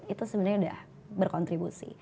itu sebenarnya sudah berkontribusi